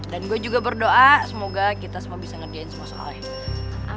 dan gue juga berdoa semoga kita semua bisa ngerjain semua soalnya